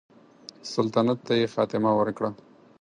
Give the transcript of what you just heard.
سلطنت ته یې خاتمه ورکړه.